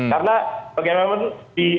karena bagaimanapun di